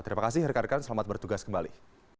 terima kasih rekan rekan selamat bertugas kembali